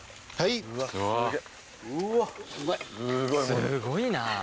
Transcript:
すごいな。